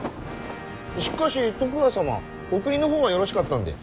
しっかし徳川様お国の方はよろしかったんで？